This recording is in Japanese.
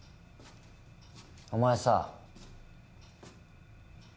お前さ